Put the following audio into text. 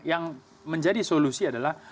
yang menjadi solusi adalah